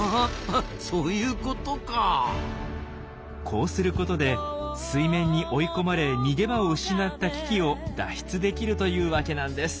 こうすることで水面に追い込まれ逃げ場を失った危機を脱出できるというわけなんです。